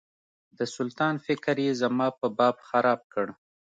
د سلطان فکر یې زما په باب خراب کړ.